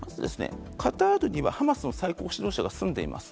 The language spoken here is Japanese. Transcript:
カタールにはハマスの最高指導者が住んでいます。